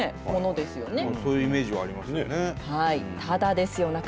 ただですよ